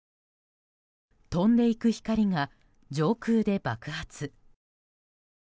飛んでいく光が上空で爆発。